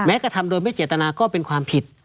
กระทำโดยไม่เจตนาก็เป็นความผิด